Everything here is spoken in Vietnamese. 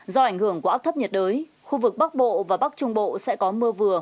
do ảnh hưởng của áp thấp nhiệt đới khu vực bắc bộ và bắc trung bộ sẽ có mưa vừa